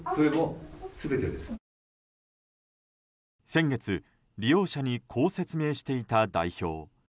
先月、利用者にこう説明していた代表。